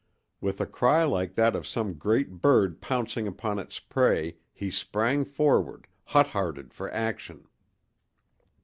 With a cry like that of some great bird pouncing upon its prey he sprang forward, hot hearted for action!